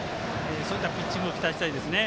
そういったピッチングを期待したいですね。